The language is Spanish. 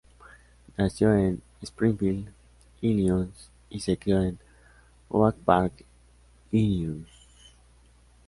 Nació en Springfield, Illinois y se crio en Oak Park, Illinois.